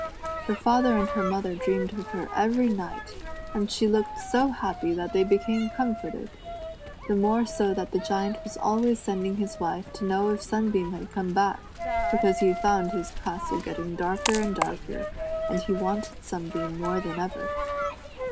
Her father and her mother dreamed of her every night, and she looked so happy that they became comforted, the more so that the Giant was always sending his wife to know if Sunbeam had come back, because he found his castle getting darker and darker, and he wanted Sunbeam more than ever.